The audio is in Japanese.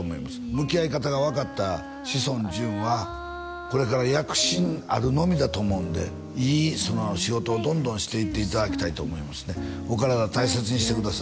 向き合い方が分かった志尊淳はこれから躍進あるのみだと思うんでいい仕事をどんどんしていっていただきたいと思いますねお体大切にしてください